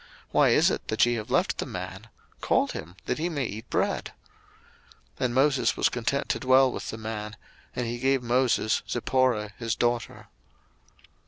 why is it that ye have left the man? call him, that he may eat bread. 02:002:021 And Moses was content to dwell with the man: and he gave Moses Zipporah his daughter.